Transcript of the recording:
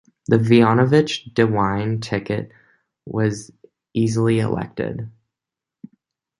The Voinovich-DeWine ticket was easily elected.